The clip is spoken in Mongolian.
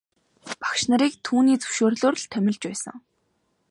Багш нарыг түүний зөвшөөрлөөр л томилж байсан.